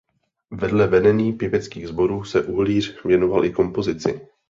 Vedle vedení pěveckých sborů se Uhlíř věnoval i kompozici.